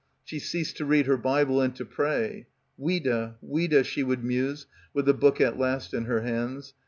She ceased to read her Bible and to pray. Ouida, Ouida, she would muse with the book at last in her hands.